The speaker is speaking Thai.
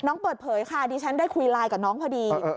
เปิดเผยค่ะดิฉันได้คุยไลน์กับน้องพอดี